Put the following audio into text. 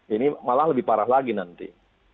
ini malah lebih parah lagi nanti